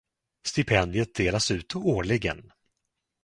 Stipendiet delas ut årligen.